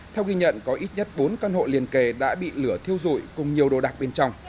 theo ghi nhận có ít nhất bốn căn hộ liền kề đã bị lửa thiêu dụi cùng nhiều đồ đạc bên trong